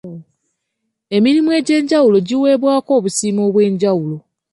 Emirimu egy'enjawulo giweebwako obusiimo obw'enjawulo.